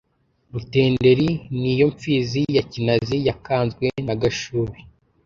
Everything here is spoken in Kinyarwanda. Rutenderi ni iyo mfizi ya Kinazi yakanzwe na Gashubi ,